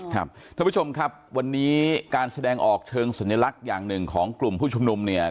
ท่านผู้ชมครับวันนี้การแสดงออกเชิงสัญลักษณ์อย่างหนึ่งของกลุ่มผู้ชุมนุมเนี่ย